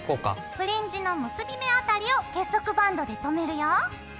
フリンジの結び目あたりを結束バンドでとめるよ。